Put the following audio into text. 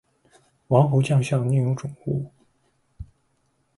王侯将相，宁有种乎